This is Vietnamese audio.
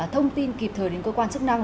thông tin kịp thời đến cơ quan chức năng